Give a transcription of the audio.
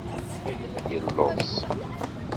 Yelluẓ.